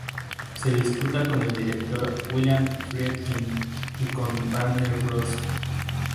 Su disputa con el director William Friedkin y con la Warner Bros.